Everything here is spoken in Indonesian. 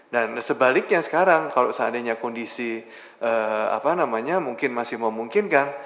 dan sebaliknya sekarang kalau seandainya kondisi mungkin masih memungkinkan